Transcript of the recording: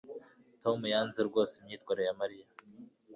tom yanze rwose imyitwarire ya mariya